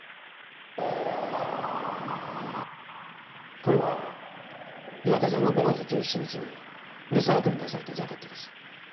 これは岩田さんが５月１７日にリサイクルに出されたジャケットです。